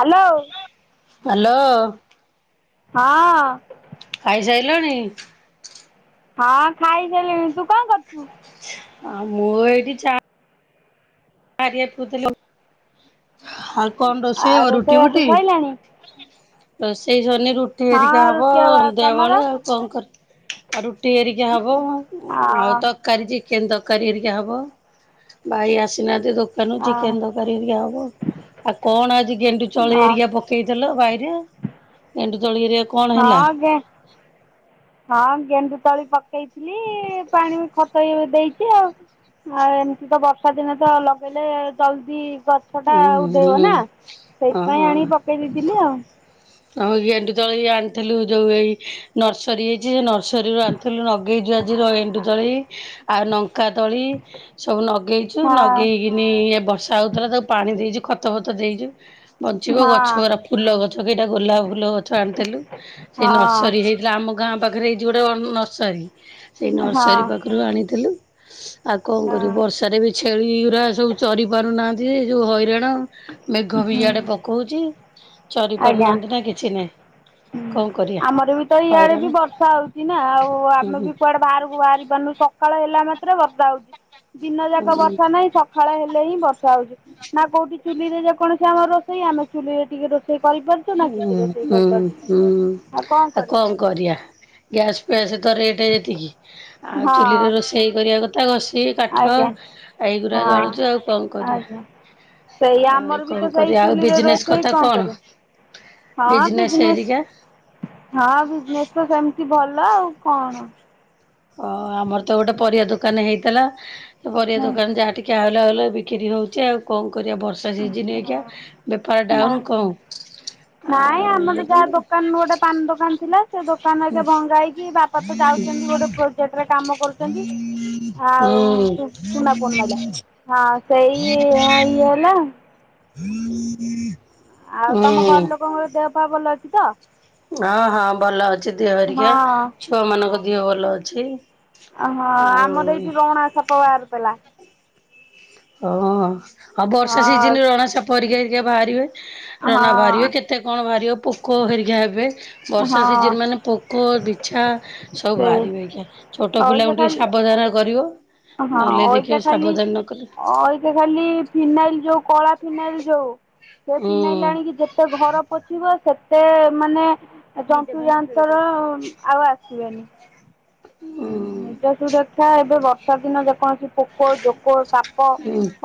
Hello. Hello. ହଁ। ଖାଇ ସାରିଲଣି? ହଁ ଖାଇସାଇଲିଣି ତୁ କଣ କରୁଛୁ? ଆ ମୁଁ ଏଇଠି ଚା କାରିଆ ଖୋଜୁ ଥିଲି ଆଉ କଣଁ ରୋଷେଇ ଆଉ ହବ ରୁଟି ରୋଷେଇବାସ ଫୁଟି ସଇଲାଣି ରୋଷେଇ ସରିନେଇ ରୁ ରୁଟି ହେରିକା ହଁ ହବ ରୁଟି ଆଉ ସନ୍ଧ୍ୟା ତମର? ବେଳେ ଆଉ। କଣଁ କରୁ ଆ ରୁଟି ହେରିକା ହବ ଆଉ ହଁ ତ କାରୀ ଯି ଚିକେନ୍ ତରକାରୀ ହେରିକା ହବ ଭାଇ ଆସିନାହାନ୍ତି ଦୋ ଦୋକାନୁ ଚିକେନ୍ ତକାରୀ ହେରିକା ହବ ଆଉ କଣ ଆଜି ଗେଣ୍ଡୁ ତଳିଇ ହେରିକା ପକେଇଥିଲ ବାଇରେ ଗେଣ୍ଡୁ ତଳିହରିକା ହଁ ଗେ ହଁ ଗେଣ୍ଡୁ ତଳି ପକେଇଥିଲି ପାଣି ଖତ ଇଏ ଦେଇଚି ଆଉ। ଆଉ ଏମିତି ତ ବର୍ଷା ଦିନେ ତ ଲଗେଇଲେ ଜଲଦି ଗ ଗଛ ଟା ଉଁ ଆଉ ଧେଇବ ହୁଁ ନା ସେଇଥିପାଇଁ ଓହୋ। ଆଣିକି ପକେଇ ଦେଇଥିଲି ଆଉ। ଆଉ ଗେଣ୍ଡୁ ତଳି ଆଣିଥିଲୁ ଯୋଉ ଏଇ ନର୍ସରୀ ହେଇଚି ସେ ନର୍ସରୀରୁୁଆଣ୍ ଥିଲୁ ନଗେଇଚୁ ଆଜିର ଗେଣ୍ଡୁ ତଳି ଆଉ ନଙ୍କା ତଳି ସବୁ ନଗେଇ ଚୁ ହଁ ନଗେଇକିନି ଏ ବର୍ଷା ହଉଥିଲା ତାକୁ ପାଣି ଦେଇଚୁ ଖତ ଫତ ଦେଇଚୁ। ବଞ୍ଚିବ ହଁ ଗଛରା ଫୁଲ ଗଛ କେଇଟା ଗୋଲାପ ଫୁଲ ଗଛ ଆଣିଥିଲୁ ସେଇ ହଁ। ନର୍ସରୀ ହେ ହେଲା ଆମ ଗାଁ ପାଖରେ ହେଇଚି ଗୋଟେ ଓ ଅଁ ନର୍ସରୀ ସେଇ ନର୍ସରୀ ହଁ ପାଖରୁ ଆଣିଥିଲୁ। ଆଉ କଣଁ ହଁ କରିବୁ ବର୍ଷାରେ ବି ଛେଳି ଗୁରା ସବୁ ଚରି ପାରୁନାହାନ୍ତି ଯେ ଯୋଉ ହଇରାଣ। ମେଘ ବି ହୁଁ ଇଆଡେ ପକୋଉଚି। ଚରି ଆଜ୍ଞା। ପାରୁନାହାନ୍ତି ନା କିଛି ନାଇଁ। ହୁଁ ଆମର ବି ତ ଇଆଡେ ବି ବର୍ଷା ହଉଚି ନା ଆଉ ହୁଁ ଆମେ ହୁଁ ବି କୁଆଡେ ବାହାରକୁ ବାହାରି ପାରୁନୁ ସ କାଳ ହେଲା ମାତ୍ରେ ବର୍ଷା ହଉଚି। ଦିନ ହୁଁ ଯାକ ବର୍ଷା ନାହିଁ ସକାଳ ହେଲେ ହିଁ ବର୍ ଯାଉଚି। ନା କୋଉଠି ଚୁଲିରେ ଯେକୌଣସି ଆମର ରୋଷେଇ ଆମେ ଚୁଲିରେ ଟିକେ ରୋଷେଇ କରିପାରୁ ହୁଁହୁଁ। ହୁଁ କ'ଣ ଆଉ କରିବୁ କଣଁ କରିଆ ଗ୍ୟାସ୍ ଫ୍ୟାସ୍ ତ ରେଟ୍ ଏତିକି। ଆଉ ହଁ ଚୁଲିରେ ରୋଷେଇ କରିବା କ ତା ଘଷି କାଠ। ଆଜ୍ଞା ଏଇଗୁରା ହଁ ଜଳୁଚୁ ଆଉ କଣଁ କରିବା? ଆଜ୍ଞା ସେଇ ଆଉ ଏଇ ଆମର ବି ତ କଣଁ ସେଇ କରିଆ ଆଉ ଚୁଲିରେ ବିଜନେସ୍ ରୋଷେଇ କଥା କ'ଣ କଣଁ? କରିବା ହଁ ବିଜନେସ୍। ହଁ ବିଜନେସ୍ ତ ସେମିତି ଭଲ ଆଉ କଣ? ଓଁ ଆମର ତ ଗୋଟେ ପରିବା ଦୋକାନ ହେଇଥେଲା। ପରିଆ ହଁ ଦୋକାନ ଯାହା ଟିକେ ଆ ଲ ହେଲେ ବିକ୍ରି ହଉଚି ଆଉ କଣଁ କରିବା ବର୍ ଷା ସିଜିନ ଏକିଆ ବେପାର ଡାଉନ ନା କଣଁ ନାଇଁ ଆଉ ଆମର ଯାହା [unintelligible] ଦୋକାନ ଗୋଟେ ପାନ ଦୋକାନ ଥିଲା। ସେ ଦୋକାନ ହେକା ଭଙ୍ଗେହେଇକି ବାପା ତ ଯାଉଚନ୍ତି ଗୋଟେ ପ୍ରୋଜେକ୍ଟରେ କାମ କରୁଚନ୍ତି। ଆଉ ହୁଁ ଶୁ ସୁନା ପୋନ ମାଇଲା। ହଁ ସେଇ ଇଏ ହେଲା। ଆଉ ତମ ଘର ହଁ ଲୋକଙ୍କର ଦେହପା ଭଲ ଅଛି ତ? ହଁ ହଁ ଭଲ ଅଛି ଦିହ ହଁ ହେରିକା। - ଛୁଆ ମାନଙ୍କ ଦିହ ଭଲ ଅଛି। ଆଉ ହଁ ଆମର ଆଉ ଏଇଠି ରଣା ସାପ ବାହାରୁ ଥିଲା। ଓ ଅଁ ଅଁ ଆଉ ବର୍ଷା ହଁ ସିଜିନ ରଣା ସାପ ହେରିକା ହେରିକା ବାହାରିବେ। ରଣା ବାହାରିବେ କେ ହଁ ତେ କଣ ବାହାରିବ ପୋକ ହେରିକା ହେବେ। ବର୍ଷା ହଁ ସିଜନ୍ ମାନେ ପୋକ, ବିଛା ସବୁ ସେ ବାହାରିବେ ଆଜ୍ଞା। ଛୋଟ ଅଇକା ପିଲାଙ୍କୁ ଟିକେ ଖାଲି ସାବଧାନ କରିବ। ନହେଲେ ଦେଖିବ ସାବଧାନ ନକଲେ। ଅଁ ଏଇତ ଖାଲି ଫିନାଇଲ ଯଉ କଳା ଫିନାଇଲ ଯୋଉ ସେ ହୁଁ ଫିନାଇଲି ଆଣିକି ଯେତେ ଘର ପୋଛିବ ସେ ତେ ମାନେ ଯନ୍ତୁଯାନ୍ତର ଆଉ ଆସିବେନି। ନିଜ ହୁଁ ସୁରକ୍ଷା ଏବେ ବର୍ଷା ଦିନ ଯେକୌଣସି ପୋକ, ଜୋକ, ସାପ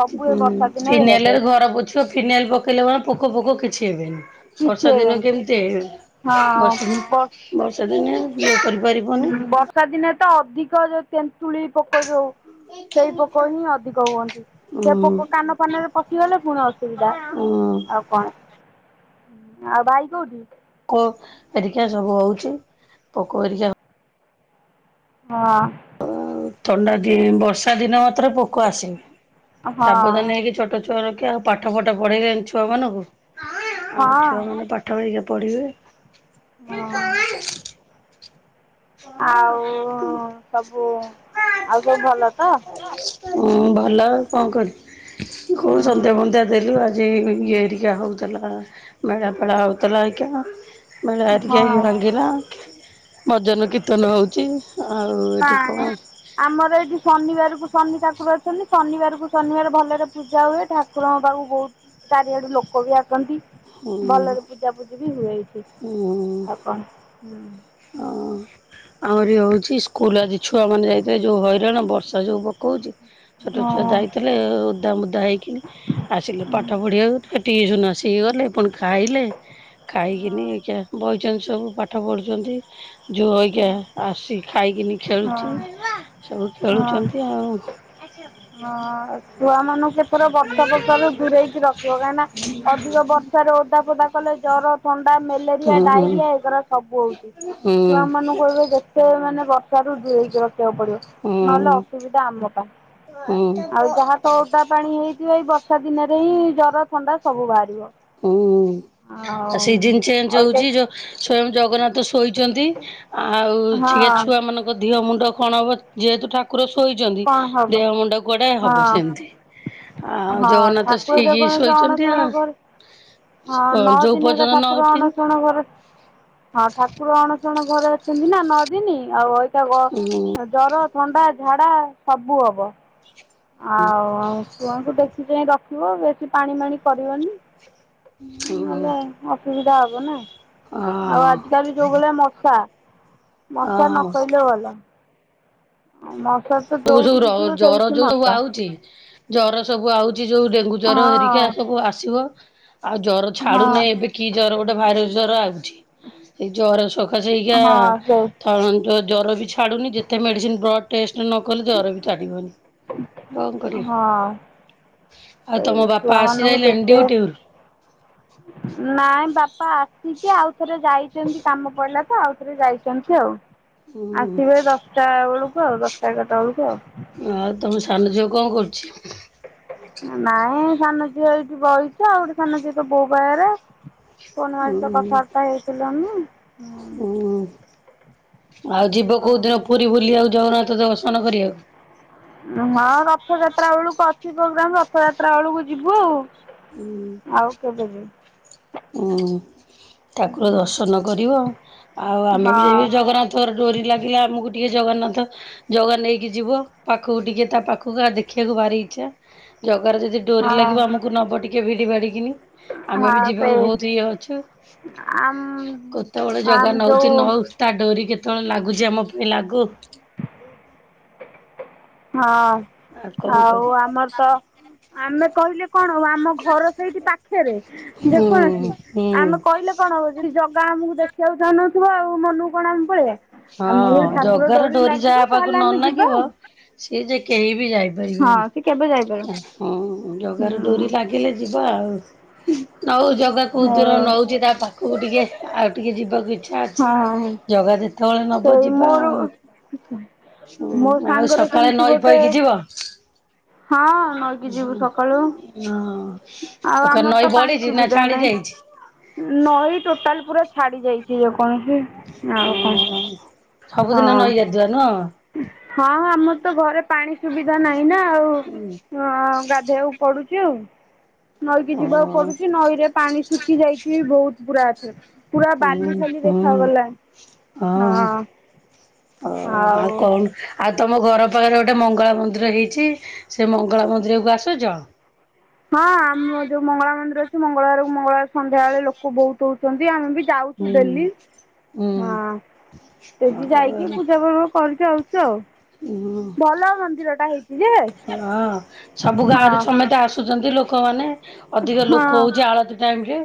ସବୁ ଏ ବର୍ଷା ଦିନରେ ହେବେ। ସେ ଫିନାଇଲ ପକେଇଲେ କଣ ପୋକ ଫୋକ କିଛି ହେବେନି। କିଛି ବର୍ଷା ଦିନ ହେବେନି କେମିତି ହଁ। ବର୍ଷା ଦିନେ ବର୍ଷ ବର୍ଷା ଦିନେ ଇଏ କରିପାରିବନି। ହୁଁ ବର୍ଷା ଦିନେ ତ ଅଧିକ ଯୋଉ ତେନ୍ତୁଳି ପୋକ ଯୋଉ। ସେଇ ପୋକ ହିଁ ଅଧିକ ହୁଅନ୍ତି। ସେ ହୁଁ। ପୋକ କାନ କାନରେ ପଶିଗଲେ ପୁଣି ଅସୁବିଧା ଉଁ ଆଉ କଣ ଆଉ ଭାଇ କୋଉଠି? କ ଏରିକା ସବୁ ହଉଛି ପୋକ ହେରିକା ହଁ। ତ ଆଉ ଥଣ୍ଡା ଦି ବର୍ଷା ଦିନ ଏଥରେ ପୋକ ଆସିନି ହଁ ସାବଧାନ ହେଇକି ଛେଟ ଛୁଆ ରଖିବା ଆଉ ପାଠ ଫାଠ ପଢେଇଲେଣି ଛୁଆ ମାନଙ୍କୁ ହଁ ଆଉ ଛୁଆ ମାନେ ପାଠହରିକା ପଢିବେ। ହଁ। [unintelligible] ଆଉ ସବୁ ଆଉ ସବୁ ଭଲ ତ? ହଁ ଭଲ ଆଉ କଣ କରିବି। ଜଉ ସନ୍ଧ୍ୟା ଫନ୍ଧ୍ୟା ଦେଲୁ ଆଜି ଇଏ ହେରିକା ହେଉଥିଲା। ମେଳା ଫେଳା ହୋଉଥିଲା ଏଇକା ମେଳ ଆରିକା ହଁ। ଭାଙ୍ଗିଲା ମଧ କୀର୍ତ୍ତନ ହେଉଛି ଆଉ ଏଠି ନାଇଁ କଣ। ଆମର ଏଠି ଶନିବାର କୁ ଶନି ଠାକୁର ଅଛନ୍ତି ଶନିବାର କୁ ଶନିବାର ଭଲରେ ପୂଜା ହୁଏ ଠାକୁ ଠାକୁରଙ୍କ ପାଖକୁ ବହୁତ ଚାରିଆଡୁ ଲୋକ ବି ଆସନ୍ତି ହୁଁ ଭଲରେ ପୂଜାପୂଜି ବି ହୁଏ ଏଇଠି। ହୁଁ। ଆଉ କଣ ହୁଁ। ଆମରି ହଉଛି ସ୍କୁଲ ଆଜି ଛୁଆମାନେ ଯାଇଥିଲେ ଯେଉ ହଇରାଣ ବର୍ଷା ଯୋଉ ପକଉଛି। ଛୋଟ ହଁ ଛୁଆ ଯାଇଥିଲେ ଓଦା ମୁଦା ହେଇକିନି ଆସିଲେ ପାଠ ପଢ଼ିବାକୁ, ଫେର୍ ଟିଉସନ୍ ଆସିକି ଗଲେ, ପୁଣି ଖାଇଲେ। ଖାଇକିନି ଏଇଖିଆ ବଇଚନ୍ତି ସବୁ ପାଠ ପଢୁଛନ୍ତି। ଯୋଉ ଅଇ କେହେ ଆସି ଖାଇକିନି ହଁ ଖେଳୁଛି, ସବୁ ହଁ ଖେଳୁଛନ୍ତି ଆଉ। ହଁ ଏ ଛୁଆ ମାନଙ୍କୁ ଏଥର ବର୍ଷା ଫର୍ଷା ରୁ ଦୂରେଇକି ରଖିବ। କାଇଁନା ଅଧିକ ବର୍ଷାରେ ଓଦା ଫଦା କଲେ ଜର, ଥଣ୍ଡା, ହୁଁ ମ୍ୟାଲେରିଆ, ଡାଇରିଆ ଏଗୁରା ସବୁ ହଉଛି। ହୁଁ। ଏବେ ଯେତେ ମାନେ ବର୍ଷା ରୁ ଦୂରେଇକି ରଖିବାକୁ ପଡିବ, ହୁଁ ନହେଲେ ଅସୁବିଧା ଆମ ପାଇଁ। ହୁଁ ଆଉ ହୁଁ ଯାହା ତ ଓଦା ପାଣି ହେଇଥିବ ଏଇ ବର୍ଷା ଦିନରେ ହିଁ ଜର, ଥଣ୍ଡା ସବୁ ବାହାରିବ। ହୁଁ, ଆଉ ଆ ସିଜିିନ୍ ଚେଞ୍ଜ ହଉଛି, ଯୋ ଅଇକା ସ୍ଵୟଂ ଜଗନ୍ନାଥ ଶୋଇଛନ୍ତି। ଆଉ ଛିଏ ହଁ ଛୁଆ ମାନଙ୍କ ଧିଅ ମୁଣ୍ଡ କଣ ହବ ଯେହେତୁ ଠାକ କୁର ଶୋଇନ୍ତି କଣ ହବ ଦେହ ମୁଣ୍ଡ କୁଆଡେ ହବ ହଁ ସେମିତି। ଆଉ ହଁ ଜଗନ୍ନାଥ ଠାକୁର ସ୍ତ୍ରୀ ଯେ କି କଣସି ଶୋଇଛନ୍ତି ଆ ଅଣସଣ କରୁ। ହଁ ନଅ ଯୋଉ ଦିନ ଏକା ପର୍ଯ୍ୟନ୍ତ ନ ଠାକୁର ଉଠି ଅଣ ଶଣ ଘରେ ହଁ ଠାକୁର ଅଣସଣ ଘରେ ଅଛନ୍ତି ନା ନଅ ଦିନି ଆଉ ଅଇକା ଗ-ଏ ଜର, ଥଣ୍ଡା, ଝାଡ଼ା ସବୁ ହବ। ଆଉ ଛୁଆଙ୍କୁ ଦେଖି ଚାଇଁ ରଖିବ, ବେଶୀ ପାଣି ମାଣି କରିବନି। ନହେଲେ ଅସୁବିଧା ହବ ନା, ଆଉ ଆଜିକାଲି ଯୋଉ ଭଳିଆ ମଶା। ଉ ମଶା ନ ହ କହିଲେ ଭଲ। ମଶା ତ ତୁ ସବୁ ଯୋଉଠିକି ର- ଯିବ ଜର ସେଇଠି ଯୋଉ ସବୁ ମଶା। ଆଉଛି। ଜର ସବୁ ଆଉଛି ଯୋଉ ଡେଙ୍ଗୁ ଜର ହେରିକା ହଁ ସବୁ ଆସିବ। ଆଉ ଜର ହଁ ଛାଡୁନାହିଁ ଏବେ କି ଜର ଗୋଟେ ଭାଇରସ୍ ଜର ଆଉଛି। ଏଇ ଜର ସକାସେ ଏଇକା ହଁ ସେଇ ଥର୍ମୋମିଟର ଜର ବି ଛାଡୁନି, ଯେତେ ମେଡିସିନ୍ ବ୍ଲ ଏ ନ କଲେ ଜର ବି ଛାଡ଼ିବନି କଣ କରିବା। ହଁ। ଆଉ ସେଇ ତୋମ ବାପା ଛୁଆ ମାନଙ୍କୁ ଆସିସାଇଲେଣି ଯେତେ ଡିଉଟିରୁ? ନାଇଁ ବାପା ଆସିଛି, ଆଉଥରେ ଯାଇ ଛନ୍ତି କାମ ପଇଲା ତ ଆଉଥରେ ଯାଇଛନ୍ତି ଆଉ। ଆସିବେ ହୁଁ ଦଶଟା ବେଳକୁ ଆଉ, ଦଶଟା ଏଗାରଟା ବେଳକୁ ଆଉ। ଆଉ ତୋମ ସାନ ଝିଅ କଣ କରୁଛି? ନାଇଁ ସାନଝିଅ ଏଇଠି ବଇଚି ଆଉ, ଗୋଟେ ସାନ ଝିଅ ତ ବୋଉ ପାଖରେ। ଫୋନ୍ ଆଇନି ତ କଥାବାର୍ତ୍ତା ହେଇଥିଲନି। ଉ, ଉ। ଆଉ ଯିବ କୋଉ ହଁ। ଦିନ ପୁରୀ ବୁଲିବାକୁ ଜଗନ୍ନାଥ ଦର୍ଶନ କରିବାକୁ? ହଁ ରଥଯାତ୍ରା ବେଳକୁ ଅଛି ପ୍ରୋଗ୍ରାମ୍, ରଥଯାତ୍ରା ବେଳକୁ ଯିବୁ ଆଉ। ହୁଁ ଆଉ କେବେ ଯିବୁ। ଅଁ, ଠାକୁର ଦର୍ଶନ କରିବ। ଆଉ ଆମେ ବି ହଁ ଯାଇକି ଜଗନ୍ନା ତୋର ଡୋରି ଲାଗିଲା ଆମକୁ ଟିକେ ଜଗନ୍ନାଥ ଜଗା ନେଇକି ଯିବ ପାଖକୁ ଟିକେ ତା ପାଖକୁ ଆ, ଦେଖିବାକୁ ଭାରି ଇଚ୍ଛା। ଜଗାର ଯଦି ଡୋରି ହଁ ଲାଗିବ ଆମକୁ ନବ ଟିକେ ଭିଡି ଭାଡିକିନି। [inaudible] କୁ ହଁ। ସେଇ ବହୁତ ଇଏ ଅଛୁ। ଆମ କେତେବେଳେ ଆମ ଜଗା ଯୋଉ ନଉଛି ନଉ। ତା ଡୋରି କେତେବେଳେ ଲାଗୁଛି ଆମ ପାଇଁ ଲାଗୁ। ହଁ, କଣ ଆଉ କରିବା ଆମର ତ ଆମେ କହିଲେ କଣ ହବ? ଆମ ଘର ସେଇଠି ପାଖେରେ ହୁଁ ଯେକୌଣସି ହୁଁ। ଆମେ କହିଲେ କଣ ହବ ଯଦି ଜଗା ଆମକୁ ଦେଖିବାକୁ ଚାହୁଁ ନଥୁବ ଆଉ ମନକୁ କଣ ଆମେ ପଳେଇବା। ଆମକୁ ହଁ ଯଦି ଠାକୁର ଜଗାର ଡୋରି ଲାଗିବ ଯାହା ପାଖକୁ ତାହେଲେ ନ ଆମେ ଯିବା ନାଗିବ ଆଉ। ସିଏ ଯେ, କେହି ବି ଯାଇ ପାରିବେନି, ହଁ ସେ କେବେ ଯାଇପାରିବ ହଁ ଜଗାର ଡୋରି ହୁଁ ଲାଗି ଗିଲେ ଯିବା ଆଉ, ନଉ ଜଗା କୋଉ ହଁ ଦିନ ନଉଛି ତା ପା ଖକୁ ଟିକେ ଆଉ ଟିକେ ଯିବାକୁ ଇଚ୍ଛା ହଁ ଅଛି। ହଁ। ଜଗା ଯେତ କେତେବଳେ ନବ ସେଇ ଯିବା ମୋର ଆଉ। ମୋ ହୁଁ ଆଉ ସାଙ୍ଗର ସକାଳେ ସେମିତି ନଈ ଗୋଟେ ପଇକି ଯିବ? ହଁ ନଈକି ଯିବୁ ସକାଳୁ ହଁ ଆଉ ସକାଳେ ଆମର ତ ନଈ ପାଣି ବଢିଚି ନା ସୁବିଧା ଛାଡି ନାହିଁ। ଯାଇଛି? ନଈ ଟୋଟାଲ ପୁରା ଛାଡ଼ି ଯାଇଚି ଯେକୌଣସି ଆଉ ଓ କଣ ସବୁଦିନ ହଁ ନଈ ଗାଧୁଆ ନୁହଁ? ହଁ ଆମର ତ ଘରେ ପାଣି ସୁବିଧା ନାହିଁ ନା ଆଉ ହଁ ଗାଧେଇବାକୁ ପଡୁଚି ଆଉ। ନଈକି ଓ ଯିବାକୁ ପଡୁଚି ନଈରେ ପାଣି ଶୁଖି ଯାଇଚି ବୋହୁତ ପୁରା ଏଥର ପୁରା ହୁଁ ବାଲି ଫାଲି ହୁଁ। ଦେଖାଗଲା ହଁ। ଓହୋ ଆଉ କଣ ଆଉ ତମ ଘର ପାଖରେ ଗୋଟେ ମଙ୍ଗଳା ମନ୍ଦିର ହେଇଚି ସେଇ ମଙ୍ଗଳା ମନ୍ଦିରକୁ ଆସୁଚ? ହଁ ଆମ ଯୋଉ ମଙ୍ଗଳା ମନ୍ଦିର ଅଛି ମଙ୍ଗଳବାରକୁ ମଙ୍ଗଳବାର ସନ୍ଧ୍ୟାବେଳେ ଲୋକ ବୋହୁତ ହୋଉଚନ୍ତି ଆମେ ବି ଯାଉଛୁ ହୁଁ। ଡେଲି। ହଁ ହୁଁ ସେଠି ଆଉ ଯାଇକି ପୂଜା ପାର୍ବ କରିକି ଆଉଚୁ ଆଉ। ଉଁହଁ। ଭଲ ମନ୍ଦିରଟା ହେଇଚି ଯେ ହଁ ସବୁ ଗାଁରୁ ହଁ ସମେତେ ଆସୁଚନ୍ତି ଲୋ ଲୋକମାନେ ଅଧିକ ହଁ ଲୋକ ହୋଉଚି ଆଳତୀ ଟାଇମରେ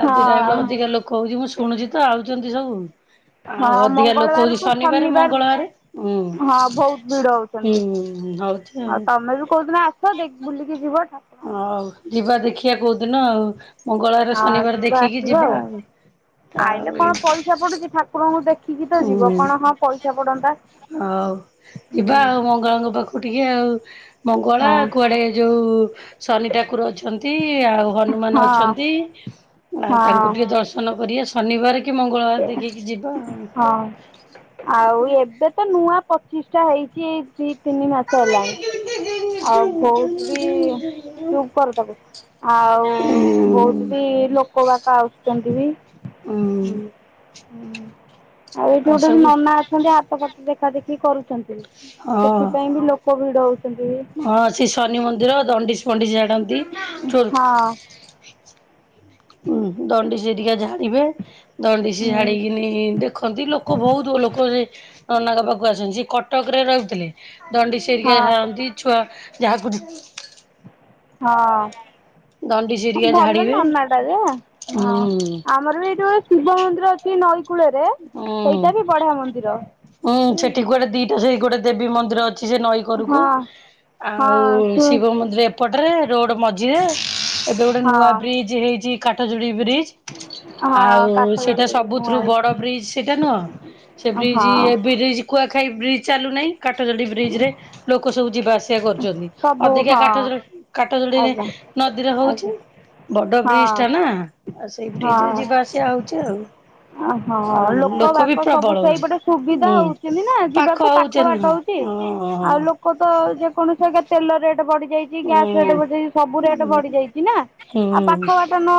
ଆଳତୀ ଟାଇମରେ ହଁ ଅଧିକ ଲୋ କ ହୋଉଚି ମୁଁ ଶୁଣୁଚି ତ ଆଉଚନ୍ତି ସବୁ। ଆଉ ହଁ ଅଧିକା ଲୋକ ହୋଉଚି ମଙ୍ଗଳବାରକୁ ଶନିବାରେ ଶନିବାର ମଙ୍ଗଳବାରେ ଉଁ ହଁ ବହୁତ ଭିଡ ହଉଛନ୍ତି ହୁଁ ହୋଉଚି ଆଉ ତମେ ବି କୋଉଦିନ ଆସ ଦେଖ୍ ବୁଲିକି ଯିବ ଠା ହଉ ଯିବା ଦେଖିଆ କୋଉଦିନ ଆଉ। ମଙ୍ଗଳବାରେ ହଁ ଶନିବାରେ ଯିବା ଦେଖିକି ଆସିବା ଯିବା ଆଉ ଆଇଲେ ଆଉ। କଣ ପଇସା ପଡୁଚି ଠାକୁରଙ୍କୁ ଦେଖିକି ତ ଯିବ କଣ ହଁ ପଇସା ପଡନ୍ତା ହୋଉ ହୁଁ ଯିବା ଆଉ ମଙ୍ଗଳାଙ୍କ ପାଖକୁ ଟିକେ ଆଉ। ମଙ୍ଗଳା ହଁ କୁଆଡ଼େ ଯୋଉ ଶନି ଠାକୁର ଅଛନ୍ତି, ଆଉ ହନୁମାନ ହଁ ଅଛନ୍ତି, ଆଉ ତାଙ୍କୁ ହଁ ଟିକେ ଦର୍ଶ ର୍ଶନ କରିବା ଶନିବାର କି ମଙ୍ଗଳବାର ଦେଖିକି ଯିବା ଆଉ। ହଁ। ଆଉ ଏବେ ତ ନୂଆ ପଚିଷ୍ଟା ହେଇଚି ଏଇ ଦି ତିନି ମାସ ସେ ହେଲାଣି ଆଉ ଭୋଉତ ବି ଚୁପ୍ କରିଦୋବୁ ଆଉ ଉଁ ବୋହୁତ ବି ଲୋକ ବାକ ଆସୁଚନ୍ତି ବି। ଉଁ ହୁଁ। ଆଉ ଏଇଠି ଗୋଟେ ନନା ଅଛନ୍ତି ହାତ ଫାତ ଦେଖା ଦେଖି କରୁଚନ୍ତି ହଁ। ସେଥିପାଇଁ ବି ଲୋ କ ଭିଡ ହୋଉଛନ୍ତି। ହଁ ସେଇ ଶନି ମନ୍ଦିର ଦଣ୍ଡିଶ ଫଣ୍ଡିଶ ଝାଡନ୍ତି ଛୁଆ ହଁ ବି ଉଁହୁଁ ଦଣ୍ଡାସି ହରିକା ଝାଡିବେ ଦଣ୍ଡିସି ହଁ ଝାଡିକିନି ଦେଖନ୍ତି ଲୋ ଲୋକ ବୋହୁତ ହୋ ଲୋକ ଯେ ନନାଙ୍କ ପାଖକୁ ଆସନ୍ତି ସେ କଟକରେ ରହିଥିଲେ। ଦଣ୍ଡିସି ହରିିକା ହଁ। ଝାଡନ୍ତି ଛୁଆ ଯାହାକୁ ହଁ। ଦଣ୍ଡିସି ହଁ ହେରିକା ଭଲ ଝାଡ଼ିବେ ନନାଟା ଯେ ହଁ ହୁଁ ଆମର ବି ଏଈଠି ଗୋ ଶିବ ମନ୍ଦିର ଅଛି ନଈ କୂଳରେ ହୁଁ ସେଇଟା ବି ବଢିଆ ମନ୍ଦିର। ହୁଁ ହଁ ସେଠି କୁଆଡେ ଦିଇଟା ସେଇ ଗୋଟେ ଦେବୀ ମନ୍ଦିର ଅଛି ସେ ନଈ କରକୁ। ହଁ ଆଉ ଶୁ ଶିବ ମନ୍ଦିର ଏପଟରେ ରୋଡ ମଝିରେ ଏବେ ଗୋଟେ ହଁ ନୂଆ ବ୍ରି ଜ୍ ହେଇଚି କାଠ ଯୋଡି ବ୍ରିଜ୍। ହଁ କାଠ ଆଉ ସେଇଟା ଯୋଡି ମୁଁ ସବୁଥୁରୁ ବଡ ଆଇଛି ବ୍ରିଜ ସେଇଟା ନୁହଁ ସେ ବ୍ରି ହଁ ଜ୍ କୁଆଖାଇ ବ୍ରିଜ ଚାଲୁନାହିଁ କାଠଜୋଡି ବ୍ରିଜରେ ଲୋକ ସବୁ ଯିବା ଆସିବା କରୁଚନ୍ତି। ସବୁ ଅଧିକା ହଁ କାଠଯୋଡି କାଠଯୋଡିରେ ଆଜ୍ଞା ନଦୀରେ ହୋଉଚି। ଆଜ୍ଞା ବଡ ହଁ ବ୍ରିଜଟା ନା ଆଉ ସେଇ ବ୍ରିଜରେ ଯିବା ଆସିବା ହୋଉଚି ଆଉ। ଓହୋ ଅ ଲୋକ ବି ବାକ ସବୁ ପ୍ରବଳ ସେଇ ହଉଛି ପଟେ ସୁବିଧା ହୁଁ। ହୋଉଚିନ୍ତି ନା ଯିବାକୁ ପାଖ ହଉଛନ୍ତି ବାଟ ହୋଉଚି ହଁ ହଁ ଆଉ ଲୋ ତ ଯେକୌଣସି ଆଜ୍ଞା ତେଲ ରେଟ୍ ବଢି ଯାଇଚି ଗ୍ୟାସ ରେଟ୍ ହୁଁ ବଢିଯାଇଚି ସବୁ ରେଟ ବଢିଯାଇଚି ନା। ଆଉ ପାଖ ହୁଁ। ବାଟ ନ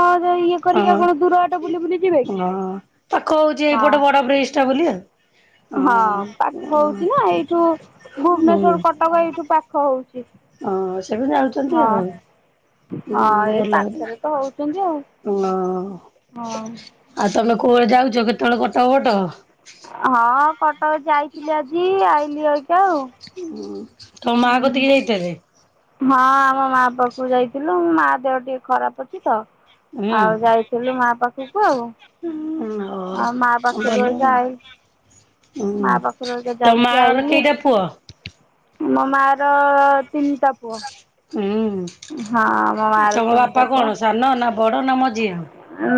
ଇଏ କରିକି ହଁ କଣ ଦୂର ବାଟ ବୁଲି ବୁଲି ଯିବେ କି? ହଁ ପାଖ ହଉଚି ହଁ ଏଇପଟ ବଡ ବ୍ରିଜଟା ବୋଲି ଆଉ। ହଁ ପାଖ ହଁ ହଉଚି ନା ଏଇଠୁ ଭୁବନେଶ୍ୱର କଟକ ଏଇଠୁ ପାଖ ହଉଚି। ହଁ ସେ ବି ଯାଉଚନ୍ତି ଆଉ। ହଁ ହୁଁ ଏଇ ପାଖରେ ତ ହଉଚନ୍ତି ଆଉ। ହଁ। ହଁ। ଆଉ ତମେ କୋଉ ବାଟେ ଯାଉଚ କେତେବେଳେ କଟକ ବଟକ? ହଁ କଟକ ଯାଇଥିଲି ଆଜି ଆଇଲିି ଏଇତ ଆଉ। ଉଁ ତମ ମା କତିକି ହୁଁ। ଯାଇଥିଲେ? ହଁ ଆମ ମା ପାଖକୁ ଯାଇଥିଲୁ ମା ଦେହ ଟିକେ ଖରାପ ଅଛି ତ। ହୁଁ ଆଉ ଯାଇଥିଲୁ ମା ପାଖକୁ ଆଉ। [unintelligible] ଆ ମା ଭଲ ପାଖରୁ ଆଉ [unintelligible] ହୁଁ। ମା ପାଖରୁ ଆ ତମ ମା ଯାଇକି ର ଆଇଲି। କେଇଟା ପୁଅ? ମୋ ମା ର ତିନିଟା ପୁଅ। ହୁଁ। ହଁ ମୋ ମା ର ତମ ତିନିଟା ବାପା ପୁଅ କଣ ସାନ ନା ବଡ ନା ମଝିଆଁ?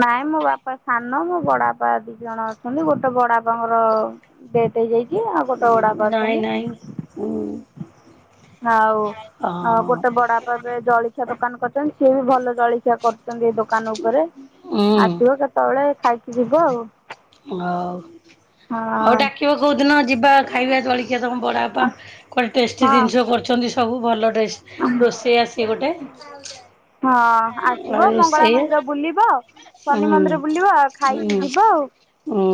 ନାଇଁ ମୋ ବାପା ସାନ ମୋ ବଡ ବାପ ଦି ଜଣ ଅଛନ୍ତି ଗୋଟେ ବଡ଼ାପା ଙ୍କର ଡେଥ ହେଇ ଯାଇଚି ଆଉ ଗୋଟେ ବଡାପା ନାଇଁ ଅଛନ୍ତି। ନାଇଁ ହୁଁ ଆଉ ହଁ ଗୋଟେ ବଡା ପା ଏବେ ଜଳିଖିଆ ଦୋକାନ କରଚନ୍ତି। ସିଏ ବି ଭଲ ଜଳଖିଆ କରୁଚନ୍ତି ଦୋକ କାନ ଉପରେ ହୁଁ ଆସିବ କେତେବେଳେ ଖାଇକି ଯିବ ଆଉ। ହଉ ହଉ ଡାକିବ କେଉଁ ଦିନ ଯିବା ଖାଇବା ଜଳିଖିଆ ତମ ବଡ଼ ବାପା ହଁ କୁଆଡେ ଟେଷ୍ଟି ହଁ ଜିନିଷ କରୁଚନ୍ତି ସବୁ ଭଲ ରୋଷେଇଆ ସିଏ ଗୋଟେ। ହଁ ଆଉ ଆସିବ ମଙ୍ଗଳା ରୋଷେଇଆ ମନ୍ଦିର ବୁଲିବ ଶନି ହୁଁ ମନ୍ଦିର ବୁଲିବ ଆଉ ଖାଇକି ହୁଁ ଯିବ। ଆଉ ହୁଁ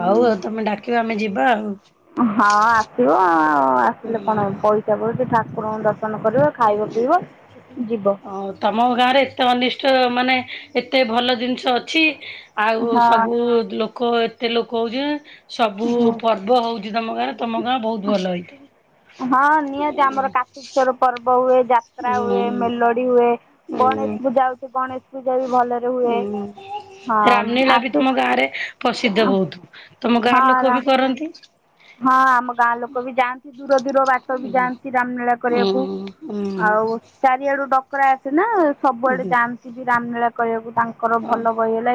ହଉ ଆଉ ତମେ ଡାକିବା ଆମେ ଯିବା ଆଉ। ହଁ ଆସିବ ଆ ଆସିଲେ କଣ ପଇସା ପାଡୁଚି ଠା କୁରଙ୍କୁ ଦର୍ଶନ କରିବା ଖାଇବ ପିଇବ ଯିବ। ଆଉ ତମ ଗାଁରେ ଏତେ ଅନିଷ୍ଟ ମାନେ ଏତେ ଭଲ ଜିନିଷ ଅଛି ଆଉ ହଁ ସବୁ ଲୋକ ଏତେ ଲୋକ ହଉଚି ସବୁ ହଁ ପ ର୍ବ ହଉଚି ତମ ଗାଁ ତମ ଗାଁ ବହୁତ ଭଲ ହେଇଥା ହଁ ନିହାତି ଆମର କାର୍ତ୍ତିକଶ୍ୱର ପର୍ବ ହୁଏ ଯାତ୍ରା ଉଁ ହୁଏ ମେଲୋଡି ହୁଏ। ଗଣେଶ ଉଁ ପୂଜା ହଉଚି ଗଣେଶ ପୂଜା ବି ଭଲରେ ହୁଏ। ହଁ ରାମଲୀଳା ବି ତମ ଆସି ଗାଁରେ ପ୍ରସିଦ୍ଧ ବହୁତ ତମ ଗାଁର ହଁ ଲୋକ ବି ରାମ କରନ୍ତି। ହଁ ଆମ ଗାଁ ଲୋକ ବି ଯାଆନ୍ତି। ଦୂର ଦୂର ବାଟ ବି ଯାଆନ୍ତି ରାମଲୀଳା ଉଁ କରିବାକୁ ଉଁ ଆଉ ଚାରିଆଡୁ ଡ କରା ଆସେ ନା ସବୁଆଡେ ଉଁ ଯାଆନ୍ତି ବି ରାମଲୀଳା କରିବାକୁ ତାଙ୍କର ହଁ। ଭଲ ବହି ହେଲା